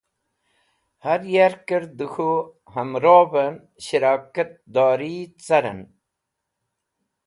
Har yarkẽr dẽ k̃hũ ẽmrovẽn sherikat dori carẽn.